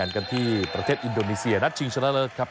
กันที่ประเทศอินโดนีเซียนัดชิงชนะเลิศครับ